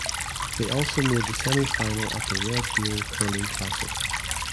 They also made the semifinal at the Red Deer Curling Classic.